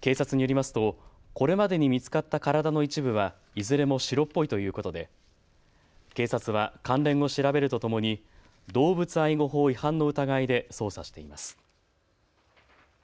警察によりますとこれまでに見つかった体の一部はいずれも白っぽいということで警察は関連を調べるとともに動物愛護法違反の疑いで捜査しています。